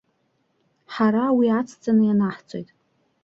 Ҳара уи ацҵаны ианаҳҵоит.